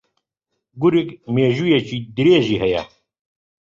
گورگ مێژوویییەکی درێژی ھەیە